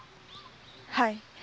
はい。